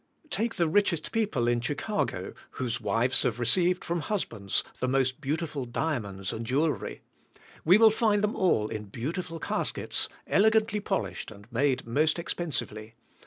Take the richest people in Chicago, whose wives have received from husbands the most beau tiful diamonds and jewelry, we will find them all in beautiful caskets, elegantly polished and made most expensively.